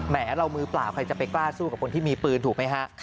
เรามือเปล่าใครจะไปกล้าสู้กับคนที่มีปืนถูกไหมฮะ